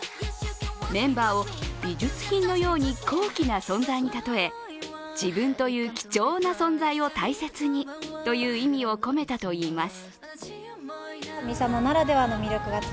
メンバーを美術品のように高貴な存在にたとえ、自分という貴重な存在を大切にという意味を込めたといいます。